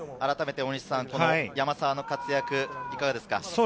山沢の活躍、あらためていかがですか？